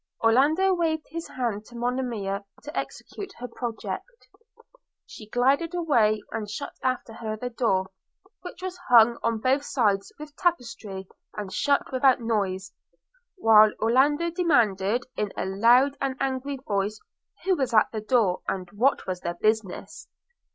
Orlando waved his hand to Monimia to execute her project: – she glided away, and shut after her the door, which was hung on both sides with tapestry and shut without noise, while Orlando demanded, in a loud and angry voice, who was at the door, and what was their business?